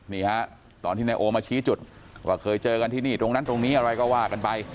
นี่ฮะตอนที่นายโอมาชี้จุดว่าเคยเจอกันที่นี่ตรงนั้นตรงนี้อะไรก็ว่ากันไป